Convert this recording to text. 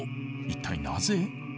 一体なぜ？